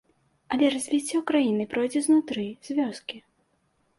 Але развіццё краіны пойдзе знутры, з вёскі.